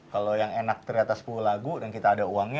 kalau yang enak ternyata sepuluh lagu dan kita ada uangnya